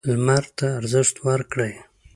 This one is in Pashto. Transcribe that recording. لمر ته ارزښت ورکړئ.